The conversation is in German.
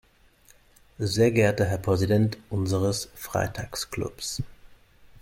Sehr geehrter Herr Präsident unseres "Freitagsclubs" !